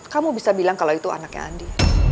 kamu bisa bilang kalau itu anaknya andi